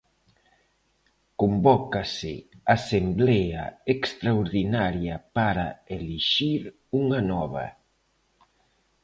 Convócase asemblea extraordinaria para elixir unha nova.